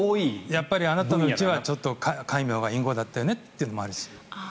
やっぱりあなたのうちは戒名がというのもあるし。